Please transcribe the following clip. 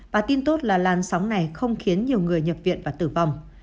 bà tin tốt là làn sóng này không khiến nhiều người nhập viện và tử vong